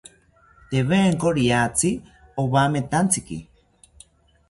Tewenko riatzi owametantziki